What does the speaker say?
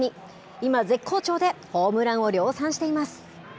今、絶好調でホームランを量産しています。